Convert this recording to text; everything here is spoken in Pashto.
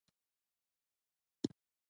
آیا کیوبیک د میپل شربت مرکز نه دی؟